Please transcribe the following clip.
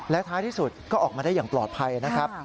และท้ายที่สุดก็ออกมาได้อย่างปลอดภัยนะครับ